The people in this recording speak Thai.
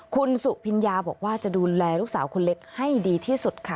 คุณสุพิญญาบอกว่าจะดูแลลูกสาวคนเล็กให้ดีที่สุดค่ะ